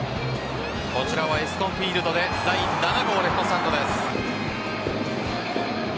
こちらはエスコンフィールドで第７号レフトスタンドです。